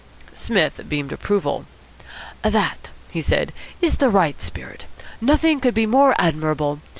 Psmith beamed approval. "That," he said, "is the right spirit. Nothing could be more admirable.